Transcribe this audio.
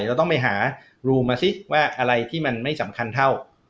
เราต้องไปหารูมาซิว่าอะไรที่มันไม่สำคัญเท่า